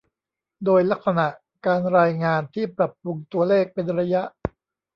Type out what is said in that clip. โดยลักษณะการรายงานที่ปรับปรุงตัวเลขเป็นระยะ